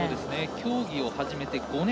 競技を始めて５年。